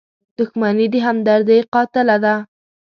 • دښمني د همدردۍ قاتله ده.